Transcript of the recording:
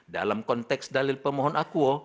dalam konteks dalil pemohon akuo